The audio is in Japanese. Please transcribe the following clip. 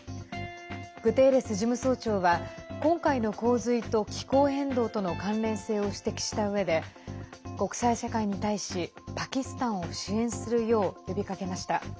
グテーレス事務総長は今回の洪水と気候変動との関連性を指摘したうえで国際社会に対しパキスタンを支援するよう呼びかけました。